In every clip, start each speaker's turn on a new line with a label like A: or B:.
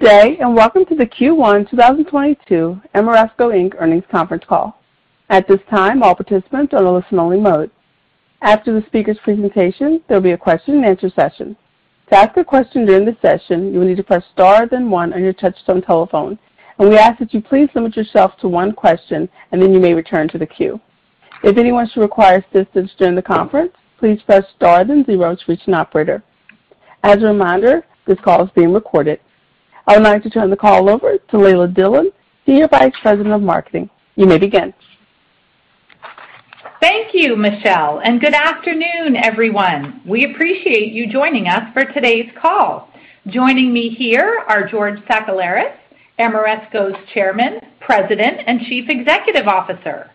A: Good day, and welcome to the Q1 2022 Ameresco Inc. earnings conference call. At this time, all participants are in listen only mode. After the speaker's presentation, there'll be a question and answer session. To ask a question during the session, you will need to press star then one on your touchtone telephone, and we ask that you please limit yourself to one question and then you may return to the queue. If anyone should require assistance during the conference, please press star then zero to reach an operator. As a reminder, this call is being recorded. I would like to turn the call over to Leila Dillon, Senior Vice President of Marketing. You may begin.
B: Thank you, Michelle, and good afternoon, everyone. We appreciate you joining us for today's call. Joining me here are George Sakellaris, Ameresco's Chairman, President, and Chief Executive Officer.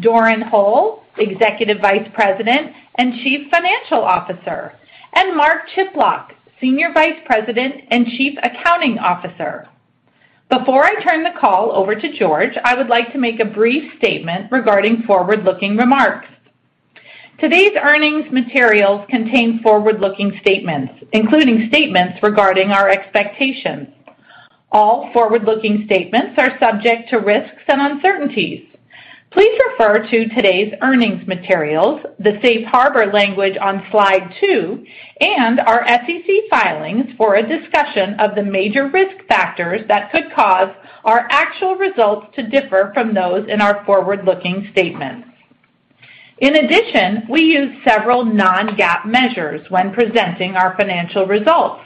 B: Doran Hole, Executive Vice President and Chief Financial Officer, and Mark Chiplock, Senior Vice President and Chief Accounting Officer. Before I turn the call over to George, I would like to make a brief statement regarding forward-looking remarks. Today's earnings materials contain forward-looking statements, including statements regarding our expectations. All forward-looking statements are subject to risks and uncertainties. Please refer to today's earnings materials, the safe harbor language on slide two, and our SEC filings for a discussion of the major risk factors that could cause our actual results to differ from those in our forward-looking statements. In addition, we use several non-GAAP measures when presenting our financial results.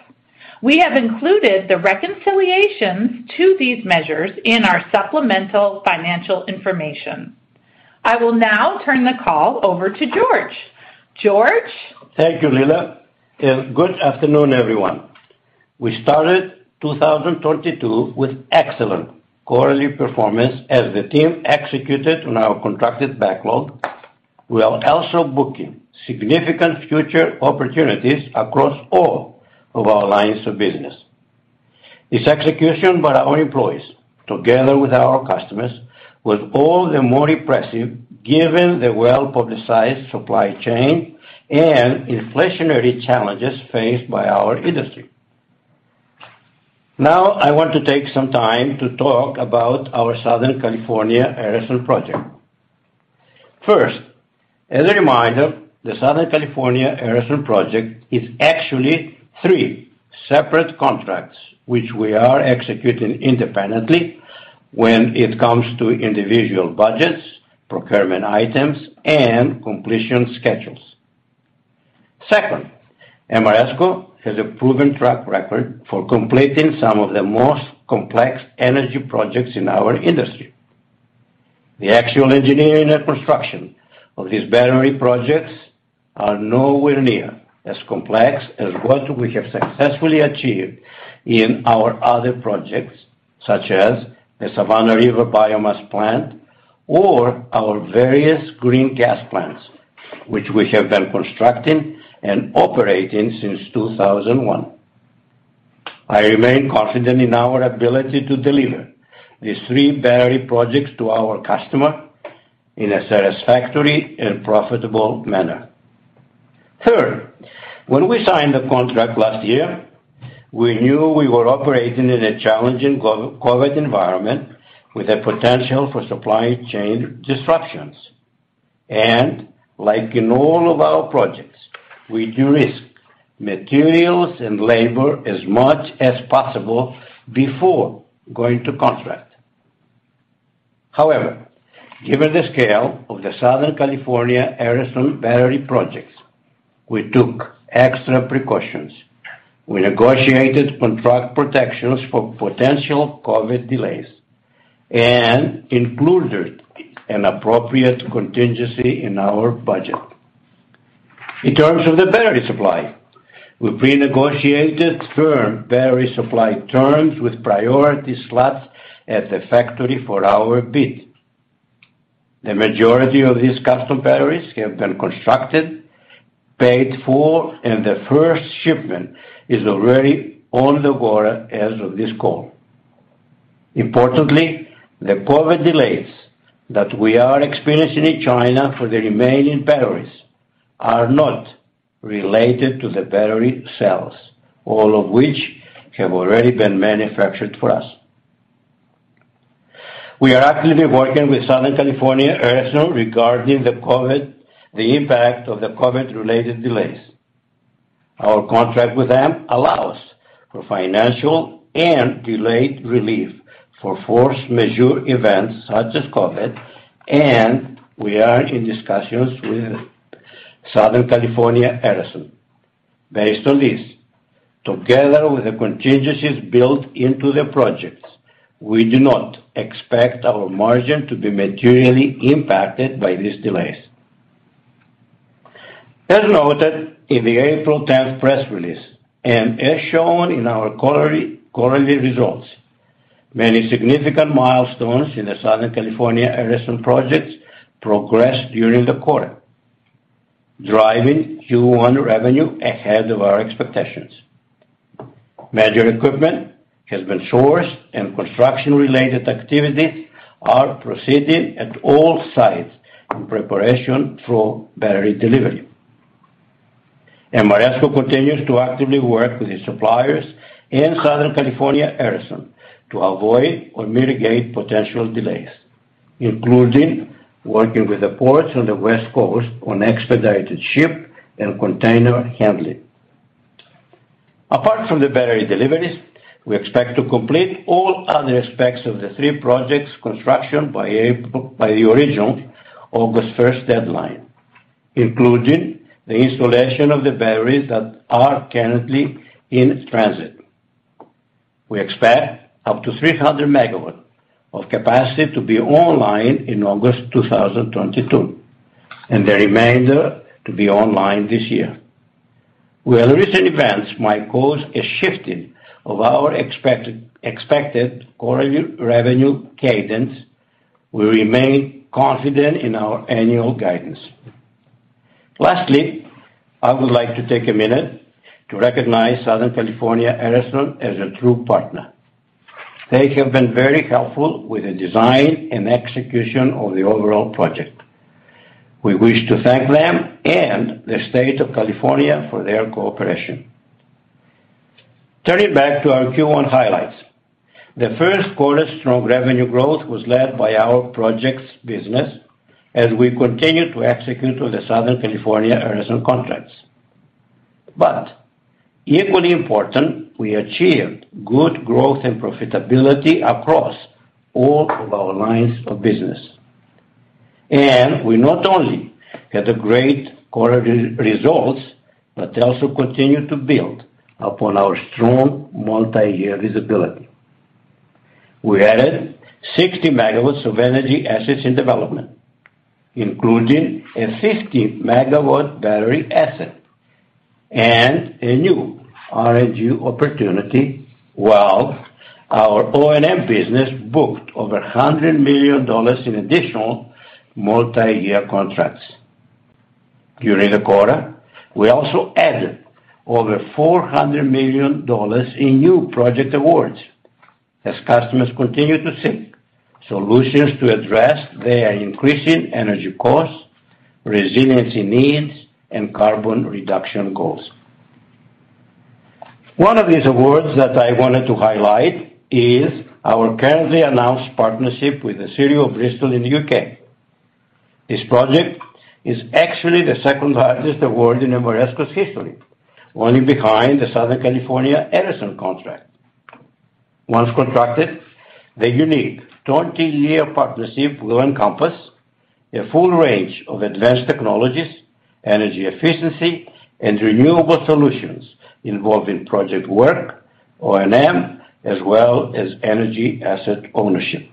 B: We have included the reconciliations to these measures in our supplemental financial information. I will now turn the call over to George. George?
C: Thank you, Leila, and good afternoon, everyone. We started 2022 with excellent quarterly performance as the team executed on our contracted backlog. We are also booking significant future opportunities across all of our lines of business. This execution by our employees, together with our customers, was all the more impressive given the well-publicized supply chain and inflationary challenges faced by our industry. Now, I want to take some time to talk about our Southern California Edison project. First, as a reminder, the Southern California Edison project is actually three separate contracts, which we are executing independently when it comes to individual budgets, procurement items, and completion schedules. Second, Ameresco has a proven track record for completing some of the most complex energy projects in our industry. The actual engineering and construction of these battery projects are nowhere near as complex as what we have successfully achieved in our other projects, such as the Savannah River Biomass Plant or our various green gas plants, which we have been constructing and operating since 2001. I remain confident in our ability to deliver these three battery projects to our customer in a satisfactory and profitable manner. Third, when we signed the contract last year, we knew we were operating in a challenging COVID environment with the potential for supply chain disruptions. Like in all of our projects, we de-risk materials and labor as much as possible before going to contract. However, given the scale of the Southern California Edison battery projects, we took extra precautions. We negotiated contract protections for potential COVID delays and included an appropriate contingency in our budget. In terms of the battery supply, we prenegotiated firm battery supply terms with priority slots at the factory for our bid. The majority of these custom batteries have been constructed, paid for, and the first shipment is already on the water as of this call. Importantly, the COVID delays that we are experiencing in China for the remaining batteries are not related to the battery cells, all of which have already been manufactured for us. We are actively working with Southern California Edison regarding the impact of the COVID-related delays. Our contract with them allows for financial and delayed relief for force majeure events such as COVID, and we are in discussions with Southern California Edison. Based on this, together with the contingencies built into the projects, we do not expect our margin to be materially impacted by these delays. As noted in the April tenth press release, and as shown in our quarterly results, many significant milestones in the Southern California Edison projects progressed during the quarter, driving Q1 revenue ahead of our expectations. Major equipment has been sourced and construction-related activities are proceeding at all sites in preparation for battery delivery. Ameresco continues to actively work with its suppliers in Southern California Edison to avoid or mitigate potential delays, including working with the ports on the West Coast on expedited ship and container handling. Apart from the battery deliveries, we expect to complete all other aspects of the three projects construction by the original August first deadline, including the installation of the batteries that are currently in transit. We expect up to 300 MW of capacity to be online in August 2022, and the remainder to be online this year. Where recent events might cause a shifting of our expected quarter revenue cadence, we remain confident in our annual guidance. Lastly, I would like to take a minute to recognize Southern California Edison as a true partner. They have been very helpful with the design and execution of the overall project. We wish to thank them and the State of California for their cooperation. Turning back to our Q1 highlights. The first quarter strong revenue growth was led by our projects business as we continue to execute on the Southern California Edison contracts. But equally important, we achieved good growth and profitability across all of our lines of business. We not only had a great quarter results, but also continued to build upon our strong multi-year visibility. We added 60 MW of energy assets in development, including a 50 MW battery asset and a new R&D opportunity, while our O&M business booked over $100 million in additional multi-year contracts. During the quarter, we also added over $400 million in new project awards as customers continue to seek solutions to address their increasing energy costs, resiliency needs, and carbon reduction goals. One of these awards that I wanted to highlight is our currently announced partnership with the City of Bristol in the U.K. This project is actually the second-largest award in Ameresco's history, running behind the Southern California Edison contract. Once contracted, the unique 20-year partnership will encompass a full range of advanced technologies, energy efficiency, and renewable solutions involving project work, O&M, as well as energy asset ownership.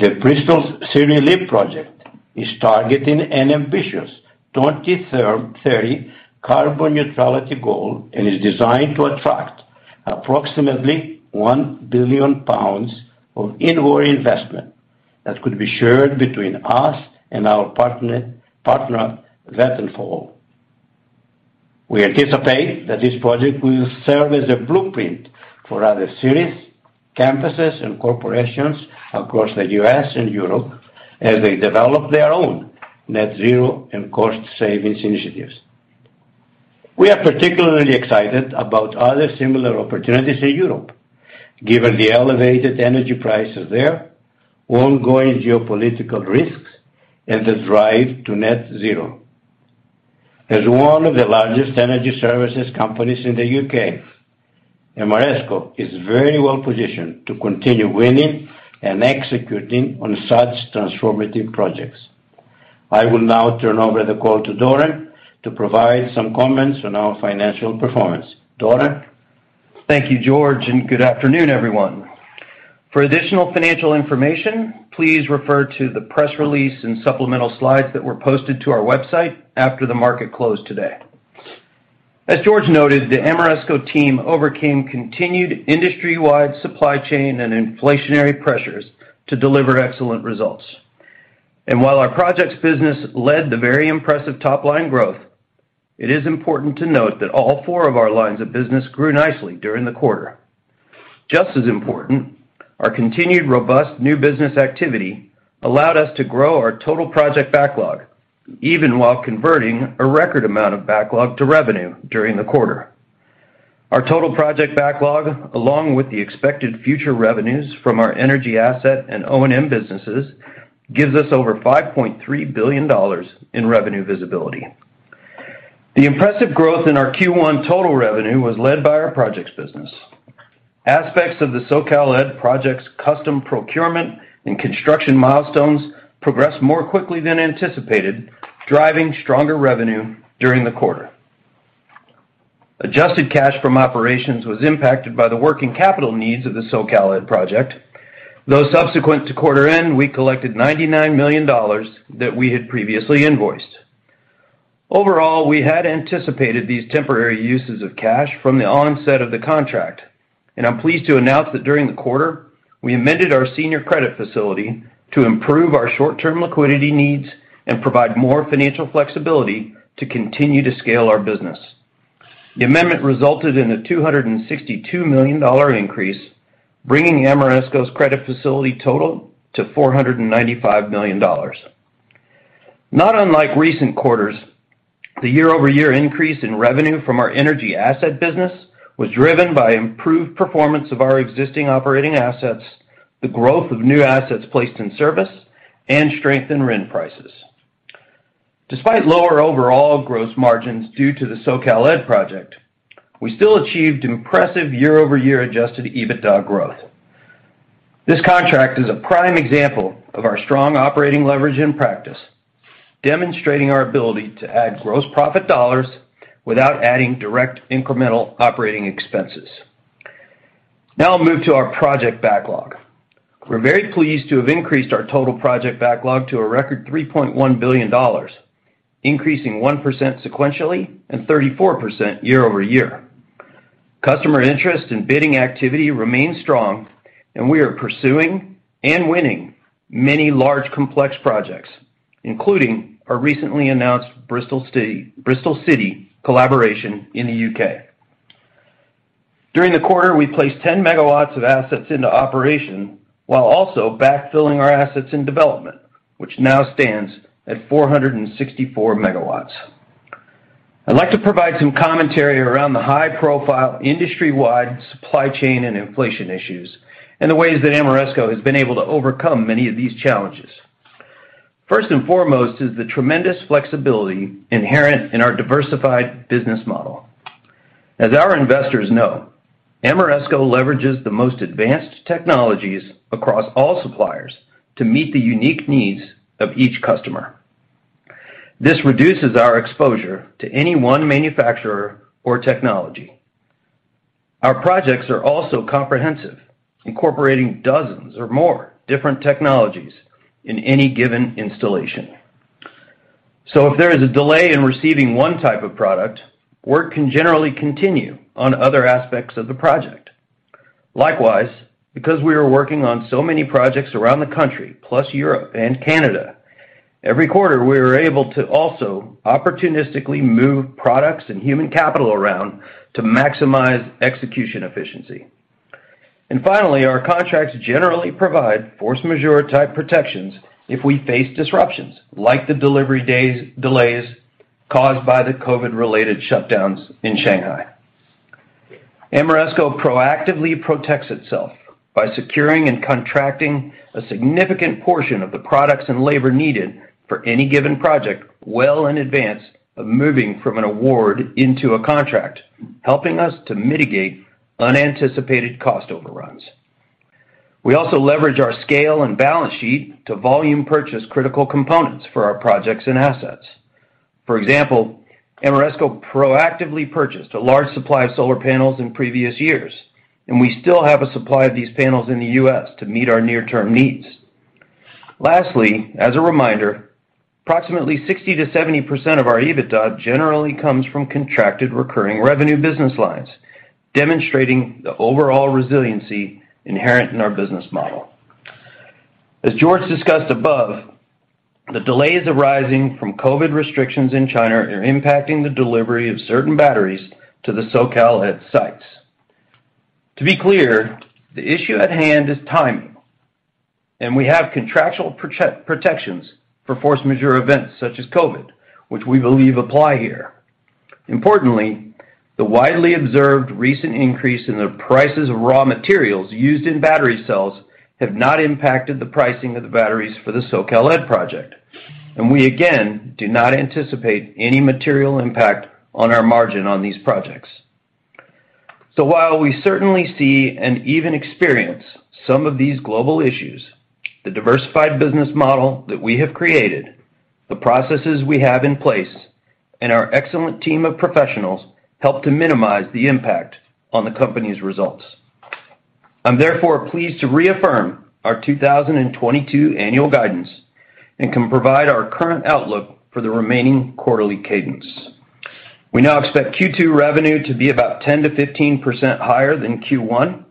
C: The Bristol City Leap project is targeting an ambitious 2030 carbon neutrality goal and is designed to attract approximately 1 billion pounds of inward investment that could be shared between us and our partner Vattenfall. We anticipate that this project will serve as a blueprint for other cities, campuses, and corporations across the U.S. and Europe as they develop their own net zero and cost savings initiatives. We are particularly excited about other similar opportunities in Europe, given the elevated energy prices there, ongoing geopolitical risks, and the drive to net zero. As one of the largest energy services companies in the U.K., Ameresco is very well positioned to continue winning and executing on such transformative projects. I will now turn over the call to Doran to provide some comments on our financial performance. Doran?
D: Thank you, George, and good afternoon, everyone. For additional financial information, please refer to the press release and supplemental slides that were posted to our website after the market closed today. As George noted, the Ameresco team overcame continued industry-wide supply chain and inflationary pressures to deliver excellent results. While our projects business led the very impressive top-line growth, it is important to note that all four of our lines of business grew nicely during the quarter. Just as important, our continued robust new business activity allowed us to grow our total project backlog, even while converting a record amount of backlog to revenue during the quarter. Our total project backlog, along with the expected future revenues from our energy asset and O&M businesses, gives us over $5.3 billion in revenue visibility. The impressive growth in our Q1 total revenue was led by our projects business. Aspects of the SoCal Ed projects custom procurement and construction milestones progressed more quickly than anticipated, driving stronger revenue during the quarter. Adjusted cash from operations was impacted by the working capital needs of the SoCal Ed project, though subsequent to quarter end, we collected $99 million that we had previously invoiced. Overall, we had anticipated these temporary uses of cash from the onset of the contract, and I'm pleased to announce that during the quarter, we amended our senior credit facility to improve our short-term liquidity needs and provide more financial flexibility to continue to scale our business. The amendment resulted in a $262 million increase, bringing Ameresco's credit facility total to $495 million. Not unlike recent quarters, the year-over-year increase in revenue from our energy asset business was driven by improved performance of our existing operating assets, the growth of new assets placed in service, and strength in rent prices. Despite lower overall gross margins due to the SCE project, we still achieved impressive year-over-year Adjusted EBITDA growth. This contract is a prime example of our strong operating leverage in practice, demonstrating our ability to add gross profit dollars without adding direct incremental operating expenses. Now I'll move to our project backlog. We're very pleased to have increased our total project backlog to a record $3.1 billion, increasing 1% sequentially and 34% year-over-year. Customer interest and bidding activity remains strong, and we are pursuing and winning many large complex projects, including our recently announced Bristol City Leap in the UK. During the quarter, we placed 10 MW of assets into operation while also backfilling our assets in development, which now stands at 464 MW. I'd like to provide some commentary around the high-profile industry-wide supply chain and inflation issues and the ways that Ameresco has been able to overcome many of these challenges. First and foremost is the tremendous flexibility inherent in our diversified business model. As our investors know, Ameresco leverages the most advanced technologies across all suppliers to meet the unique needs of each customer. This reduces our exposure to any one manufacturer or technology. Our projects are also comprehensive, incorporating dozens or more different technologies in any given installation. If there is a delay in receiving one type of product, work can generally continue on other aspects of the project. Likewise, because we are working on so many projects around the country, plus Europe and Canada, every quarter, we are able to also opportunistically move products and human capital around to maximize execution efficiency. Finally, our contracts generally provide force majeure-type protections if we face disruptions, like the delivery delays caused by the COVID-related shutdowns in Shanghai. Ameresco proactively protects itself by securing and contracting a significant portion of the products and labor needed for any given project well in advance of moving from an award into a contract, helping us to mitigate unanticipated cost overruns. We also leverage our scale and balance sheet to volume purchase critical components for our projects and assets. For example, Ameresco proactively purchased a large supply of solar panels in previous years, and we still have a supply of these panels in the U.S. to meet our near-term needs. Lastly, as a reminder, approximately 60%-70% of our EBITDA generally comes from contracted recurring revenue business lines, demonstrating the overall resiliency inherent in our business model. As George discussed above, the delays arising from COVID restrictions in China are impacting the delivery of certain batteries to the SCE sites. To be clear, the issue at hand is timing, and we have contractual protections for force majeure events such as COVID, which we believe apply here. Importantly, the widely observed recent increase in the prices of raw materials used in battery cells have not impacted the pricing of the batteries for the SCE project, and we again do not anticipate any material impact on our margin on these projects. While we certainly see and even experience some of these global issues, the diversified business model that we have created, the processes we have in place, and our excellent team of professionals help to minimize the impact on the company's results. I'm therefore pleased to reaffirm our 2022 annual guidance and can provide our current outlook for the remaining quarterly cadence. We now expect Q2 revenue to be about 10%-15% higher than Q1,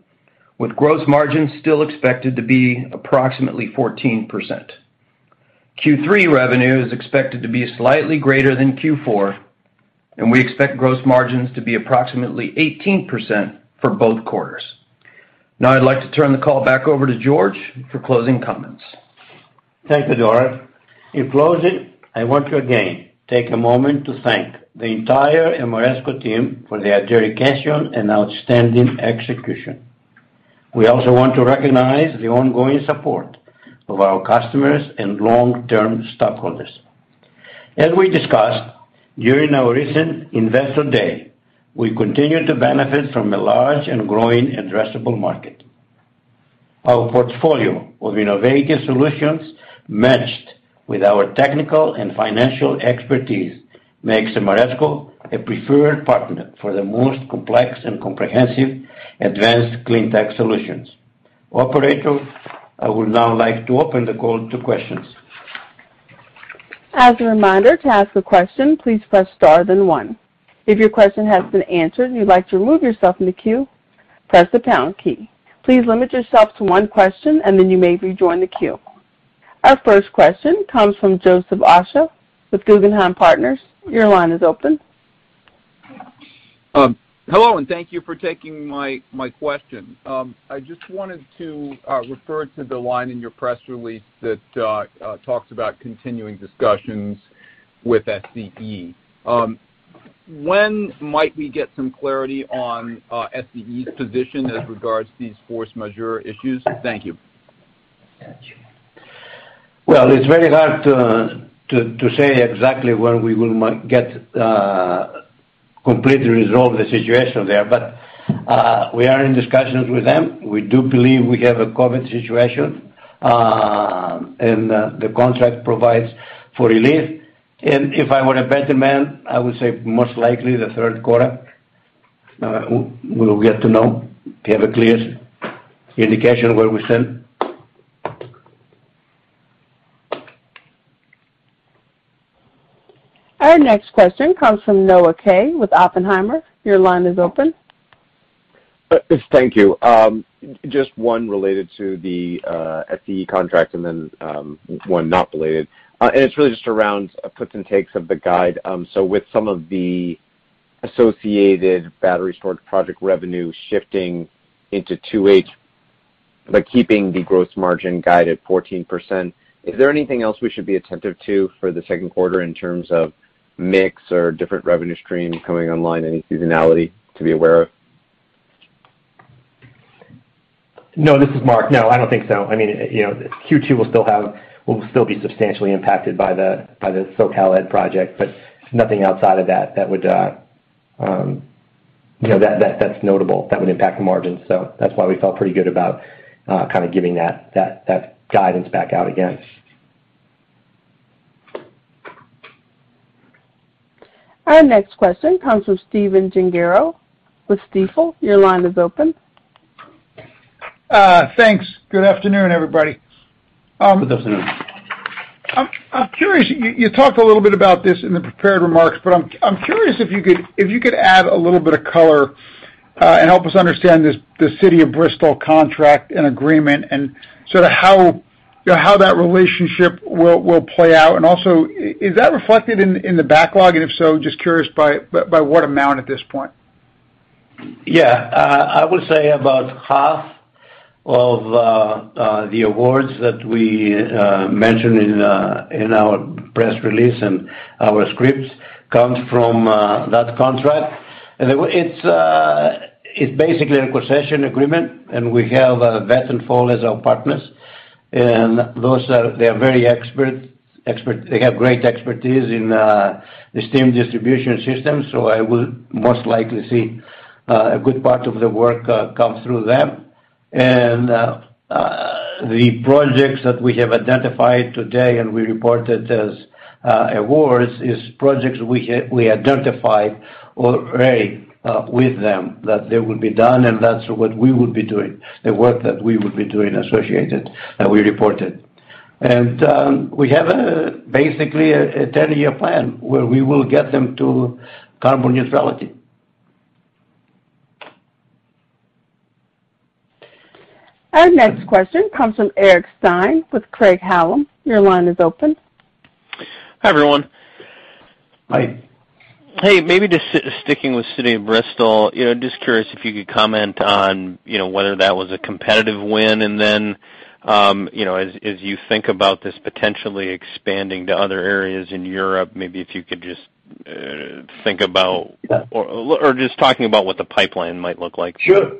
D: with gross margins still expected to be approximately 14%. Q3 revenue is expected to be slightly greater than Q4, and we expect gross margins to be approximately 18% for both quarters. Now I'd like to turn the call back over to George for closing comments.
C: Thank you, Doran. In closing, I want to again take a moment to thank the entire Ameresco team for their dedication and outstanding execution. We also want to recognize the ongoing support of our customers and long-term stockholders. As we discussed during our recent Investor Day, we continue to benefit from a large and growing addressable market. Our portfolio of innovative solutions, matched with our technical and financial expertise, makes Ameresco a preferred partner for the most complex and comprehensive advanced clean tech solutions. Operator, I would now like to open the call to questions.
A: As a reminder, to ask a question, please press star then one. If your question has been answered and you'd like to remove yourself from the queue, press the pound key. Please limit yourself to one question, and then you may rejoin the queue. Our first question comes from Joseph Osha with Guggenheim Partners. Your line is open.
E: Hello and thank you for taking my question. I just wanted to refer to the line in your press release that talks about continuing discussions with SCE. When might we get some clarity on SCE's position as regards these force majeure issues? Thank you.
C: It's very hard to say exactly when we will get completely resolve the situation there. We are in discussions with them. We do believe we have a COVID situation. The contract provides for relief. If I were a betting man, I would say most likely the third quarter we will get to know to have a clear indication where we stand.
A: Our next question comes from Noah Kaye with Oppenheimer. Your line is open.
F: Thank you. Just one related to the SCE contract and then one not related. It's really just around gives and takes of the guide. With some of the associated battery storage project revenue shifting into 2H, but keeping the gross margin guide at 14%, is there anything else we should be attentive to for the second quarter in terms of mix or different revenue streams coming online, any seasonality to be aware of?
G: No, this is Mark. No, I don't think so. I mean, you know, Q2 will still be substantially impacted by the SoCal Ed project, but nothing outside of that that would, you know, that's notable that would impact the margins. That's why we felt pretty good about kind of giving that guidance back out again.
A: Our next question comes from Stephen Gengaro with Stifel. Your line is open.
H: Thanks. Good afternoon, everybody. I'm curious, you talked a little bit about this in the prepared remarks, but I'm curious if you could add a little bit of color, and help us understand the City of Bristol contract and agreement and sort of how, you know, how that relationship will play out. Also, is that reflected in the backlog? If so, just curious by what amount at this point.
C: Yeah. I would say about half of the awards that we mentioned in our press release and our scripts comes from that contract. It's basically a concession agreement, and we have Vattenfall as our partners. They have great expertise in the steam distribution system, so I will most likely see a good part of the work come through them. The projects that we have identified today and we reported as awards is projects we identified already with them that they will be done and that's what we will be doing, the work that we will be doing associated that we reported. We have basically a 10-year plan where we will get them to carbon neutrality.
A: Our next question comes from Eric Stine with Craig-Hallum. Your line is open.
I: Hi, everyone.
C: Hi.
I: Hey, maybe just sticking with City of Bristol, you know, just curious if you could comment on, you know, whether that was a competitive win. You know, as you think about this potentially expanding to other areas in Europe, maybe if you could just think about.
C: Yeah.
I: Just talking about what the pipeline might look like.
C: Sure.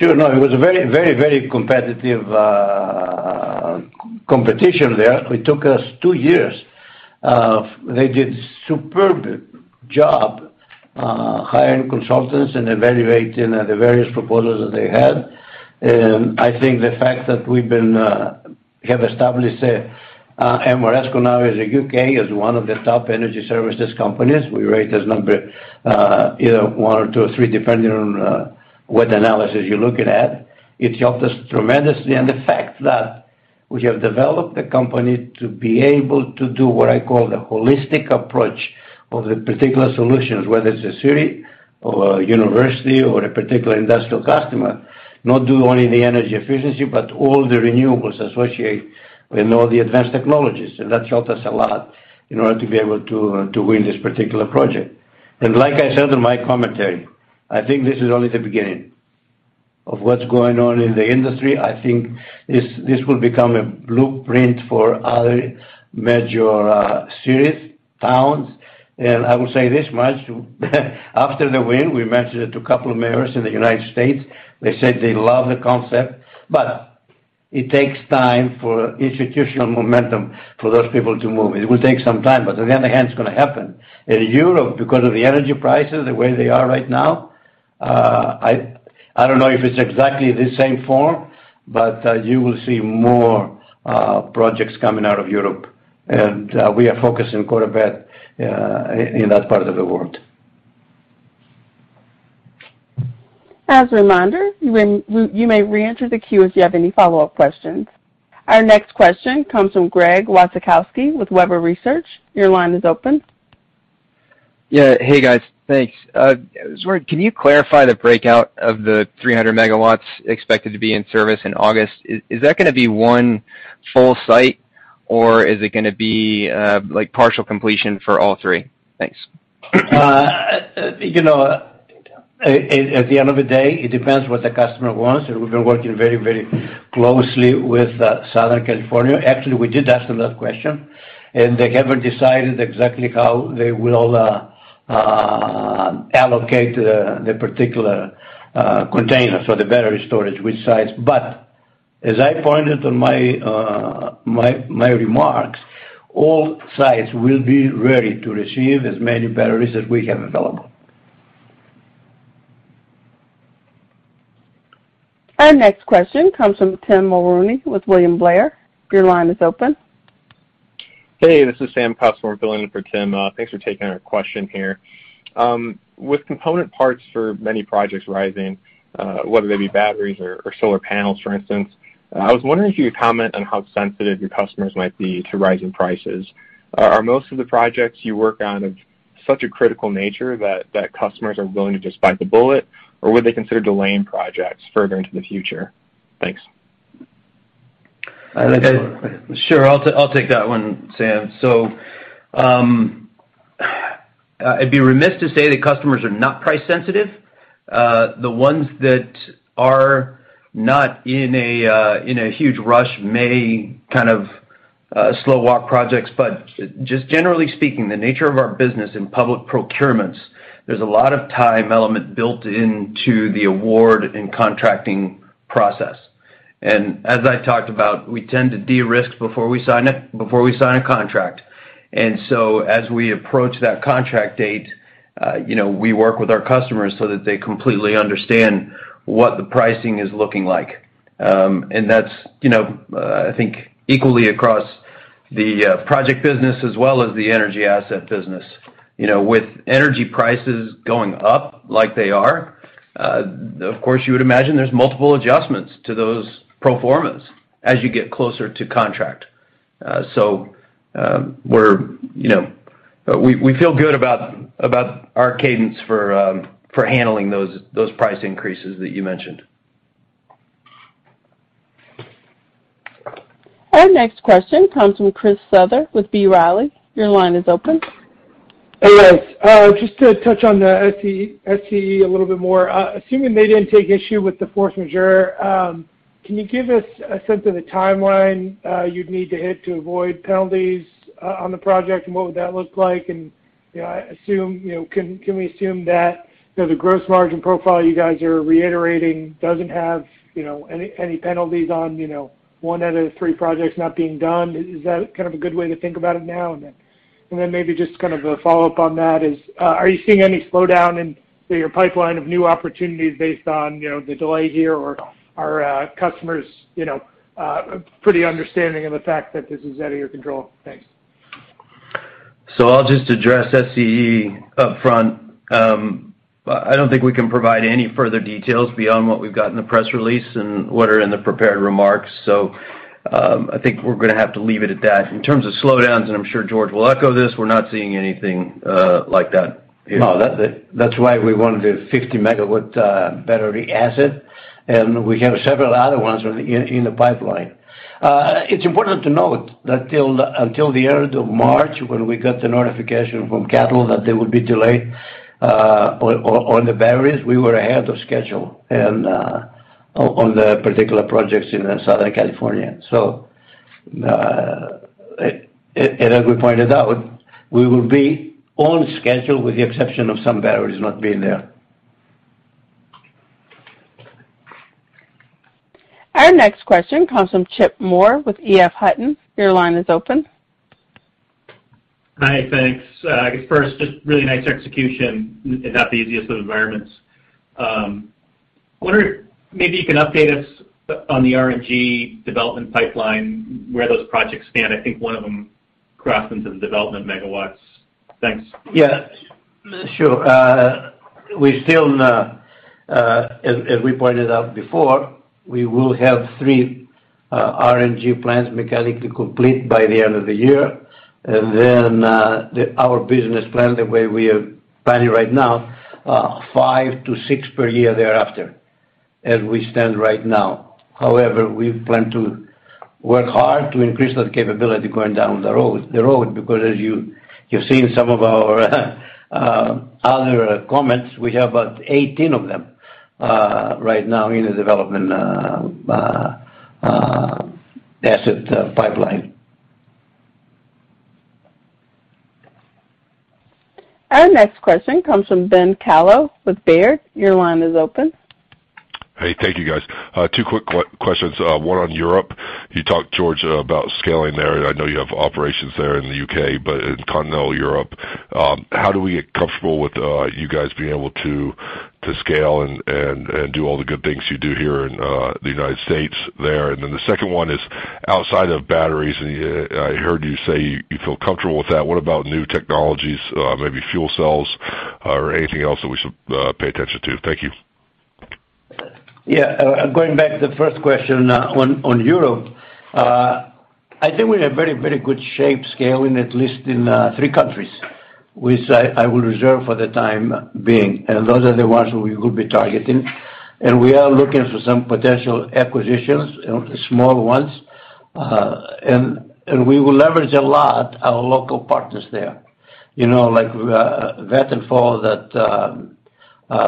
C: No, it was a very competitive competition there. It took us two years. They did superb job hiring consultants and evaluating the various proposals that they had. I think the fact that we have established Ameresco now is a UK is one of the top energy services companies. We rate as number either one or two or three, depending on what analysis you're looking at. It helped us tremendously. The fact that we have developed the company to be able to do what I call the holistic approach of the particular solutions, whether it's a city or a university or a particular industrial customer, not do only the energy efficiency, but all the renewables associated with all the advanced technologies. That helped us a lot in order to be able to win this particular project. Like I said in my commentary, I think this is only the beginning of what's going on in the industry. I think this will become a blueprint for other major cities, towns. I will say this much, after the win, we mentioned it to a couple of mayors in the United States. They said they love the concept, but it takes time for institutional momentum for those people to move. It will take some time, but on the other hand, it's gonna happen. In Europe, because of the energy prices, the way they are right now, I don't know if it's exactly the same form, but you will see more projects coming out of Europe. We are focused in quarter but, in that part of the world.
A: As a reminder, you may reenter the queue if you have any follow-up questions. Our next question comes from Greg Wasikowski with Webber Research. Your line is open.
J: Yeah. Hey guys, thanks. I was wondering, can you clarify the breakout of the 300 MW expected to be in service in August? Is that gonna be one full site or is it gonna be, like partial completion for all three? Thanks.
C: You know, at the end of the day, it depends what the customer wants. We've been working very, very closely with Southern California. Actually, we did ask them that question, and they haven't decided exactly how they will allocate the particular container for the battery storage with sites. As I pointed out in my remarks, all sites will be ready to receive as many batteries as we have available.
A: Our next question comes from Tim Mulrooney with William Blair. Your line is open.
K: Hey, this is Sam Costmore filling in for Tim. Thanks for taking our question here. With component parts for many projects rising, whether they be batteries or solar panels, for instance, I was wondering if you would comment on how sensitive your customers might be to rising prices. Are most of the projects you work on of such a critical nature that customers are willing to just bite the bullet or would they consider delaying projects further into the future? Thanks.
C: I think I-
D: Sure. I'll take that one, Sam. I'd be remiss to say that customers are not price sensitive. The ones that are not in a huge rush may kind of slow walk projects. Just generally speaking, the nature of our business in public procurements, there's a lot of time element built into the award and contracting process. As I talked about, we tend to de-risk before we sign a contract. As we approach that contract date, you know, we work with our customers so that they completely understand what the pricing is looking like. That's, you know, I think equally across the project business as well as the energy asset business. You know, with energy prices going up like they are, of course you would imagine there's multiple adjustments to those pro formas as you get closer to contract. We feel good about our cadence for handling those price increases that you mentioned.
A: Our next question comes from Chris Souther with B. Riley. Your line is open.
L: Hey, guys. Just to touch on the SCE a little bit more. Assuming they didn't take issue with the force majeure, can you give us a sense of the timeline you'd need to hit to avoid penalties on the project? And what would that look like? And, you know, I assume, you know. Can we assume that, you know, the gross margin profile you guys are reiterating doesn't have, you know, any penalties on, you know, one out of the three projects not being done? Is that kind of a good way to think about it now? Maybe just kind of a follow-up on that is, are you seeing any slowdown in your pipeline of new opportunities based on, you know, the delay here, or are customers, you know, pretty understanding of the fact that this is out of your control? Thanks.
D: I'll just address SCE upfront. I don't think we can provide any further details beyond what we've got in the press release and what are in the prepared remarks. I think we're gonna have to leave it at that. In terms of slowdowns, and I'm sure George will echo this, we're not seeing anything like that here.
C: No. That's it. That's why we wanted a 50 MW battery asset, and we have several other ones in the pipeline. It's important to note that until the end of March, when we got the notification from CATL that they would be delayed on the batteries, we were ahead of schedule on the particular projects in Southern California. As we pointed out, we will be on schedule with the exception of some batteries not being there.
A: Our next question comes from Chip Moore with EF Hutton. Your line is open.
M: Hi. Thanks. I guess first, just really nice execution in not the easiest of environments. Wondering if maybe you can update us on the RNG development pipeline, where those projects stand. I think one of them crossed into the development megawatts. Thanks.
C: Yeah, sure. We still, as we pointed out before, will have three RNG plants mechanically complete by the end of the year. Then, our business plan, the way we are planning right now, five to six per year thereafter as we stand right now. However, we plan to work hard to increase that capability going down the road because as you've seen some of our other comments, we have about 18 of them right now in the development asset pipeline.
A: Our next question comes from Ben Kallo with Baird. Your line is open.
N: Hey, thank you, guys. Two quick questions, one on Europe. You talked, George, about scaling there. I know you have operations there in the UK, but in continental Europe, how do we get comfortable with you guys being able to scale and do all the good things you do here in the United States there? Then the second one is, outside of batteries, and I heard you say you feel comfortable with that, what about new technologies, maybe fuel cells or anything else that we should pay attention to? Thank you.
C: Yeah, going back to the first question, on Europe, I think we're in a very good shape scaling, at least in three countries, which I will reserve for the time being. Those are the ones we will be targeting. We are looking for some potential acquisitions, you know, small ones. We will leverage a lot our local partners there. You know, like, Vattenfall that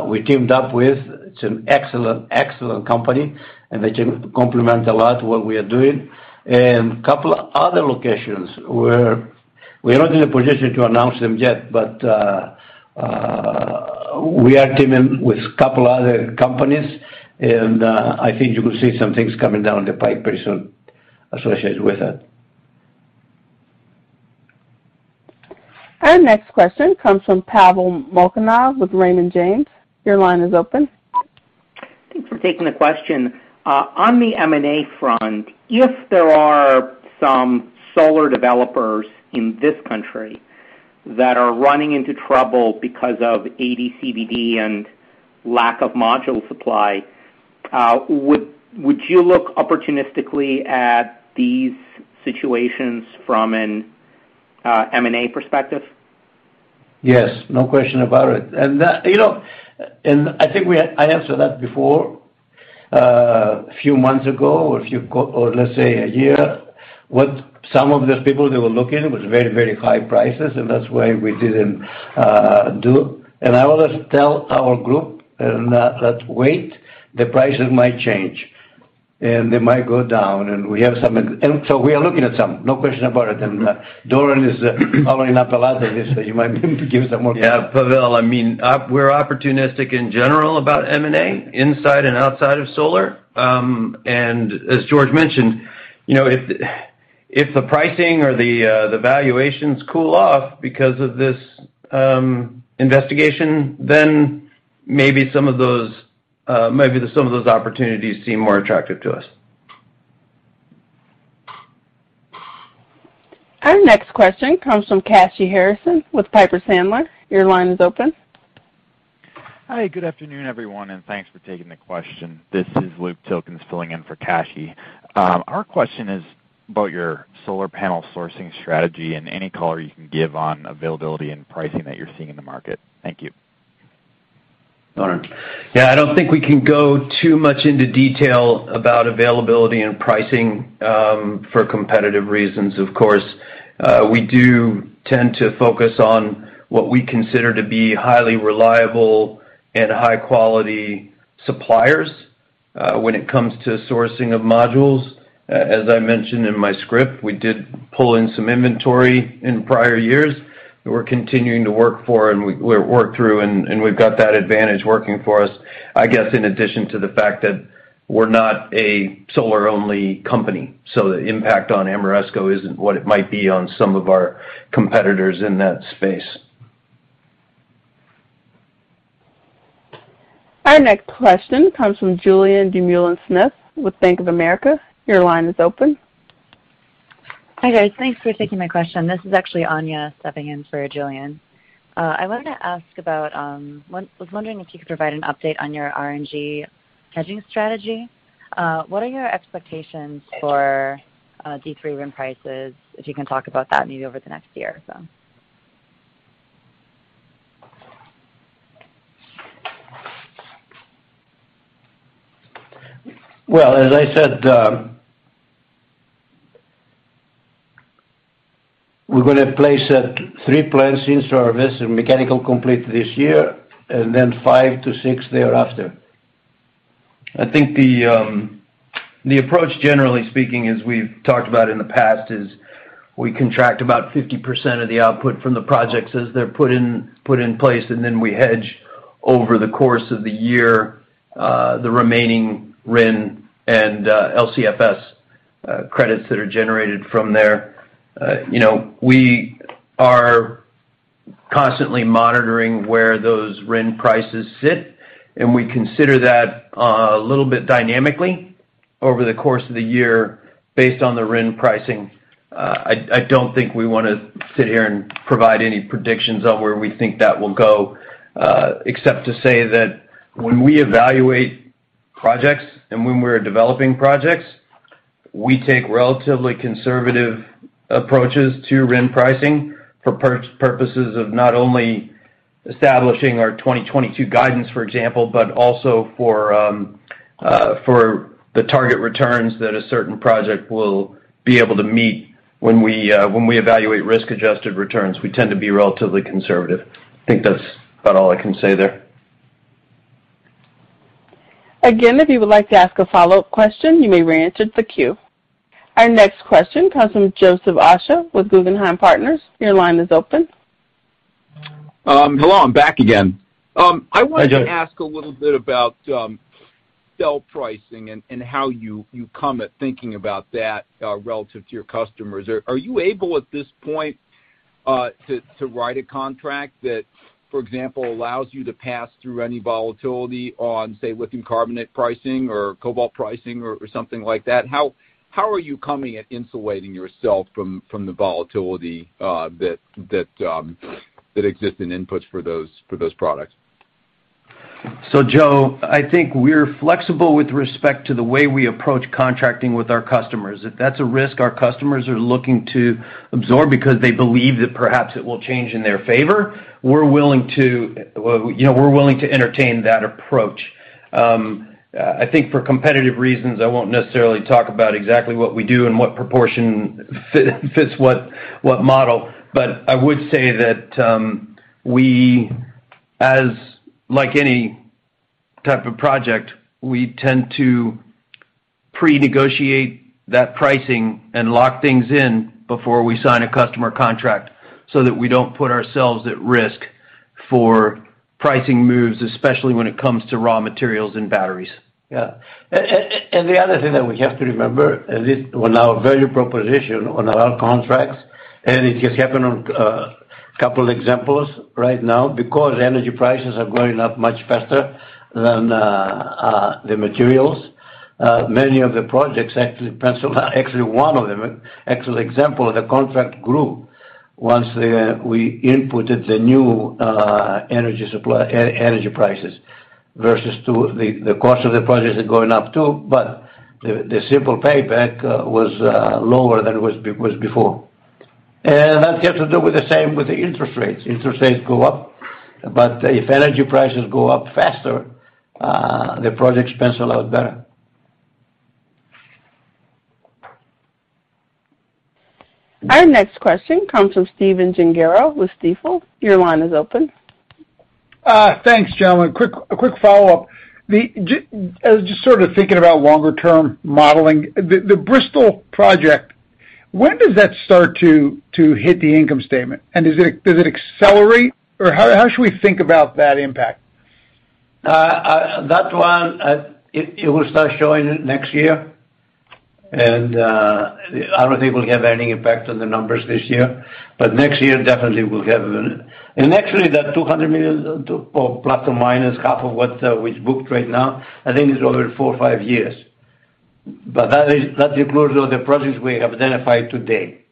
C: we teamed up with. It's an excellent company, and they can complement a lot what we are doing. Couple other locations where we're not in a position to announce them yet, but we are teaming with couple other companies. I think you will see some things coming down the pipe very soon associated with it.
A: Our next question comes from Pavel Molchanov with Raymond James. Your line is open.
O: Thanks for taking the question. On the M&A front, if there are some solar developers in this country that are running into trouble because of AD/CVD and lack of module supply, would you look opportunistically at these situations from an M&A perspective?
C: Yes, no question about it. I answered that before, a few months ago or let's say a year. What some of these people they were looking was very, very high prices, and that's why we didn't do. I always tell our group, let's wait, the prices might change, and they might go down, and we have some. We are looking at some, no question about it. Doran is probably not the last of this, so you might give some more.
D: Yeah, Pavel, I mean, we're opportunistic in general about M&A inside and outside of solar. As George mentioned, you know, if the pricing or the valuations cool off because of this investigation, then maybe some of those opportunities seem more attractive to us.
A: Our next question comes from Kashy Harrison with Piper Sandler. Your line is open.
P: Hi, good afternoon, everyone, and thanks for taking the question. This is Luke Tilkens filling in for Kashy Harrison. Our question is about your solar panel sourcing strategy and any color you can give on availability and pricing that you're seeing in the market. Thank you.
C: Doran.
D: Yeah. I don't think we can go too much into detail about availability and pricing, for competitive reasons, of course. We do tend to focus on what we consider to be highly reliable and high-quality suppliers, when it comes to sourcing of modules. As I mentioned in my script, we did pull in some inventory in prior years. We're continuing to work through and we've got that advantage working for us, I guess, in addition to the fact that we're not a solar-only company. The impact on Ameresco isn't what it might be on some of our competitors in that space.
A: Our next question comes from Julien Dumoulin-Smith with Bank of America. Your line is open.
Q: Hi, guys. Thanks for taking my question. This is actually Anya stepping in for Julien. I was wondering if you could provide an update on your RNG hedging strategy. What are your expectations for D3 RIN prices, if you can talk about that maybe over the next year or so?
C: Well, as I said, we're gonna place three plants into our mix in mechanically complete this year and then five to six thereafter.
D: I think the approach, generally speaking, as we've talked about in the past is we contract about 50% of the output from the projects as they're put in place, and then we hedge over the course of the year the remaining RIN and LCFS credits that are generated from there. You know, we are constantly monitoring where those RIN prices sit, and we consider that a little bit dynamically over the course of the year based on the RIN pricing. I don't think we wanna sit here and provide any predictions on where we think that will go, except to say that when we evaluate projects and when we're developing projects, we take relatively conservative approaches to RIN pricing for purposes of not only establishing our 2022 guidance, for example, but also for the target returns that a certain project will be able to meet when we evaluate risk-adjusted returns. We tend to be relatively conservative. I think that's about all I can say there.
A: Again, if you would like to ask a follow-up question, you may re-enter the queue. Our next question comes from Joseph Osha with Guggenheim Securities. Your line is open.
E: Hello, I'm back again.
D: Hi, Joe.
E: I wanted to ask a little bit about cell pricing and how you come at thinking about that relative to your customers. Are you able at this point to write a contract that, for example, allows you to pass through any volatility on, say, lithium carbonate pricing or cobalt pricing or something like that? How are you coming at insulating yourself from the volatility that exists in inputs for those products?
D: Joe, I think we're flexible with respect to the way we approach contracting with our customers. If that's a risk our customers are looking to absorb because they believe that perhaps it will change in their favor, we're willing to, well, you know, we're willing to entertain that approach. I think for competitive reasons, I won't necessarily talk about exactly what we do and what proportion fits what model. I would say that, we as like any type of project, we tend to pre-negotiate that pricing and lock things in before we sign a customer contract so that we don't put ourselves at risk for pricing moves, especially when it comes to raw materials and batteries.
C: Yeah. The other thing that we have to remember, at least on our value proposition on our contracts, and it has happened on couple examples right now, because energy prices are going up much faster than the materials. Many of the projects actually one of them, excellent example of the contract grew once we inputted the new energy supply, energy prices versus the cost of the project is going up too, but the simple payback was lower than it was before. That has to do with the same with the interest rates. Interest rates go up, but if energy prices go up faster, the project pencils a lot better.
A: Our next question comes from Stephen Gengaro with Stifel. Your line is open.
H: Thanks, gentlemen. Quick follow-up. Just sort of thinking about longer term modeling. The Bristol project, when does that start to hit the income statement? And does it accelerate? Or how should we think about that impact?
C: It will start showing next year. I don't think it will have any impact on the numbers this year, but next year, definitely we'll have an. Actually that 200 million or plus or minus half of what we booked right now, I think it's over four or five years. That includes all the projects we have identified today.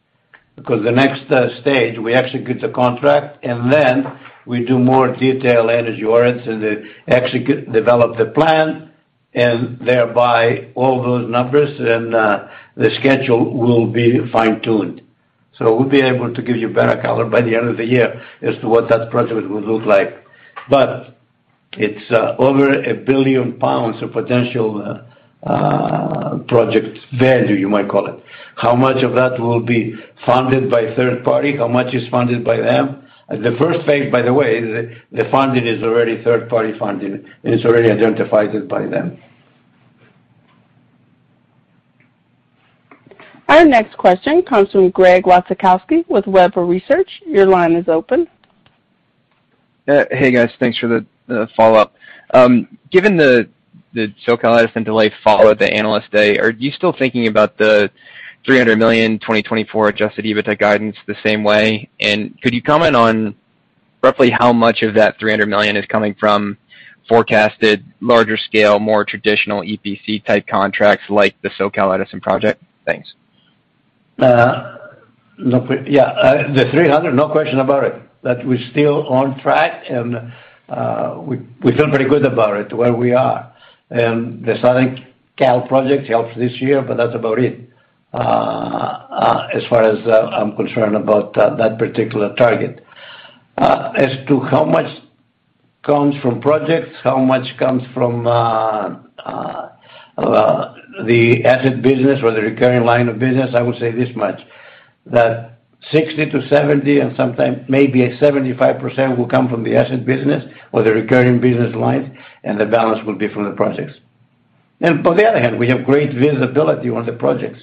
C: Because the next stage, we execute the contract and then we do more detailed energy audits and then execute, develop the plan, and thereby all those numbers and the schedule will be fine-tuned. We'll be able to give you better color by the end of the year as to what that project will look like. It's over 1 billion pounds of potential project value, you might call it. How much of that will be funded by third-party? How much is funded by them? The first phase, by the way, the funding is already third-party funding, and it's already identified by them.
A: Our next question comes from Greg Wasikowski with Webber Research. Your line is open.
J: Hey, guys. Thanks for the follow-up. Given the SoCal Edison delay followed the Investor Day, are you still thinking about the $300 million 2024 Adjusted EBITDA guidance the same way? Could you comment on roughly how much of that $300 million is coming from forecasted larger scale, more traditional EPC-type contracts like the SoCal Edison project? Thanks.
C: No question about it, that we're still on track and we feel pretty good about it, where we are. The Southern Cal project helps this year, but that's about it, as far as I'm concerned about that particular target. As to how much comes from projects, how much comes from the asset business or the recurring line of business, I would say this much, that 60-70% and sometimes maybe 75% will come from the asset business or the recurring business lines, and the balance will be from the projects. On the other hand, we have great visibility on the projects.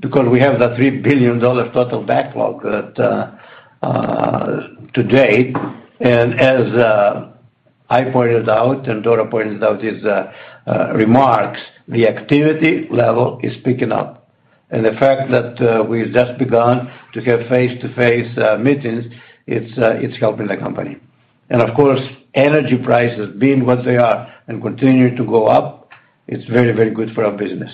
C: Because we have that $3 billion total backlog to date. As I pointed out and Doran pointed out his remarks, the activity level is picking up. The fact that we've just begun to have face-to-face meetings, it's helping the company. Of course, energy prices being what they are and continue to go up, it's very, very good for our business.